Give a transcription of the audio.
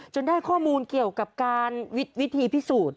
ได้ข้อมูลเกี่ยวกับการวิธีพิสูจน์